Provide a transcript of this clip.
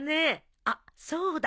あっそうだ。